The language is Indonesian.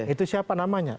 itu siapa namanya